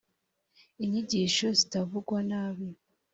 inyigisho zitavugwa nabi